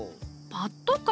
パッとか。